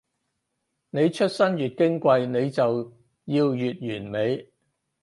你出身越矜貴，你就要越完美